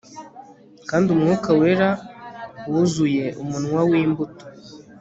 kandi umwuka wera, wuzuye umunwa w'imbuto